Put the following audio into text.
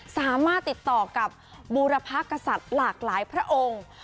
สามารถติดต่อกับบูรพกษัตริย์หลากหลายพระองค์